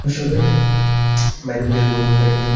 বাইরে কোথাও যেতে ইচ্ছা করে না।